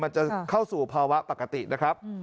จะเข้าสู่ภาวะปกตินะครับ